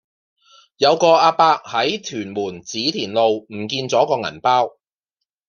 有個亞伯喺屯門紫田路唔見左個銀包